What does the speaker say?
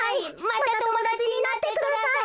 またともだちになってください。